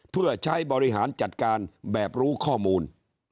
เพื่อใช้บริหารจัดการแบบรู้ข้อมูล